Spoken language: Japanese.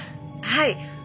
はい。